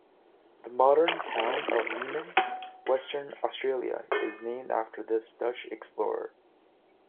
The modern Town of Leeman, Western Australia is named after this Dutch explorer.